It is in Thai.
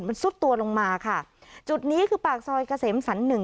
มันซุดตัวลงมาค่ะจุดนี้คือปากซอยเกษมสรรหนึ่ง